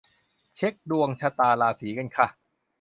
เช็กดวงชะตาราศีกันค่ะ